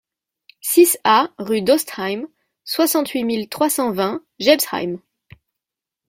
six A rue d'Ostheim, soixante-huit mille trois cent vingt Jebsheim